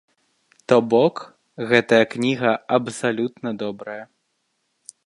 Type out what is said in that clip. То бок, гэтая кніга абсалютна добрая.